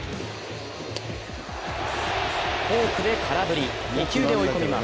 フォークで空振り、２球で追い込みます。